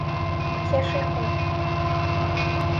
کێشەی خۆتە.